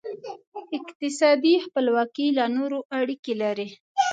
اقتصادي خپلواکي له نورو اړیکې لري.